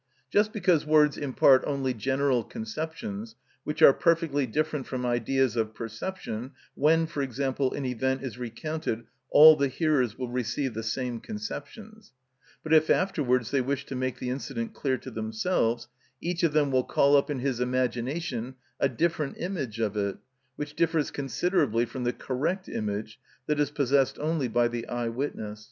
Just because words impart only general conceptions, which are perfectly different from ideas of perception, when, for example, an event is recounted all the hearers will receive the same conceptions; but if afterwards they wish to make the incident clear to themselves, each of them will call up in his imagination a different image of it, which differs considerably from the correct image that is possessed only by the eye witness.